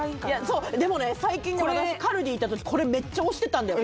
そうでも最近私カルディ行った時これめっちゃ推してたんだよ